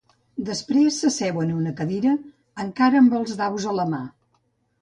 Després s'asseu en una cadira, encara amb els daus a la mà.